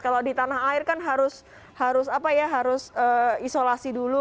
kalau di tanah air kan harus apa ya harus isolasi dulu